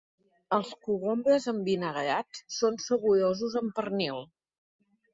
Els cogombres envinagrats són saborosos amb pernil.